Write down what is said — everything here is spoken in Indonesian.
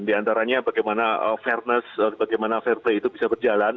diantaranya bagaimana fairness bagaimana fair play itu bisa berjalan